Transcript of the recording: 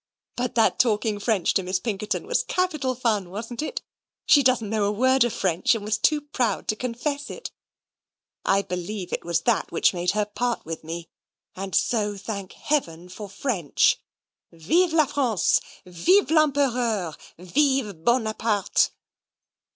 But that talking French to Miss Pinkerton was capital fun, wasn't it? She doesn't know a word of French, and was too proud to confess it. I believe it was that which made her part with me; and so thank Heaven for French. Vive la France! Vive l'Empereur! Vive Bonaparte!"